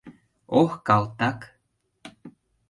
Ох, калтак!